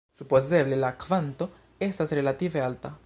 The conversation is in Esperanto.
Supozeble la kvanto estas relative alta.